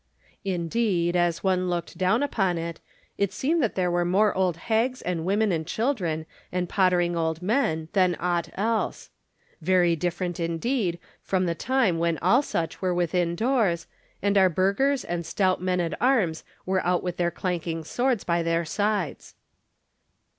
Indeed, as one looked down upon it it seemed that there were more old hags and women and children and pottering old men than aught else. Very diflferent, indeed, from the time when all such were within doors and our burghers and stout men at arms were out with their clanking swords by their sides.